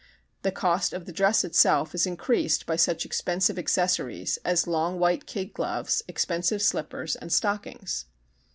The cost of the dress itself is increased by such expensive accessories as long white kid gloves, expensive slippers and stockings.